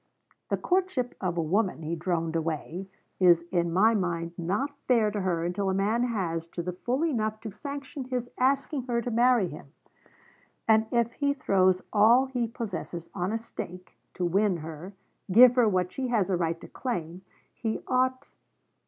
'The courtship of a woman,' he droned away, 'is in my mind not fair to her until a man has to the full enough to sanction his asking her to marry him. And if he throws all he possesses on a stake... to win her give her what she has a right to claim, he ought....